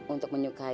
untuk menyukai kamu